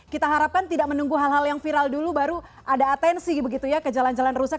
kita harapkan tidak menunggu hal hal yang viral dulu baru ada atensi begitu ya ke jalan jalan rusak